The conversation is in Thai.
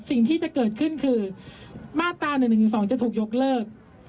สิ่งที่จะเกิดขึ้นคือมาตราหนึ่งหนึ่งสองจะถูกยกเลิก